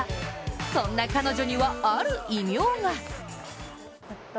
そんな彼女には、ある異名が。